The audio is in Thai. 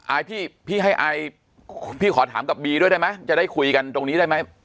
พี่พี่ให้อายพี่ขอถามกับบีด้วยได้ไหมจะได้คุยกันตรงนี้ได้ไหม